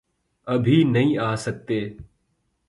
ابھی نہیں آسکتے۔۔۔